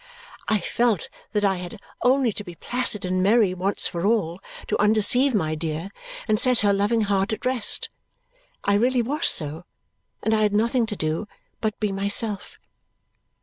I felt that I had only to be placid and merry once for all to undeceive my dear and set her loving heart at rest. I really was so, and I had nothing to do but to be myself.